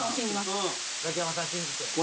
ザキヤマさんを信じます。